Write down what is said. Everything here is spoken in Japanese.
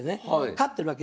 勝ってるわけ。